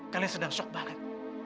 kalian sedang shock banget